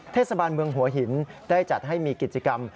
เทศบาลเมืองหัวหินได้จัดให้มีกิจกรรม